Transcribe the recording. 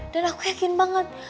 dan aku yakin banget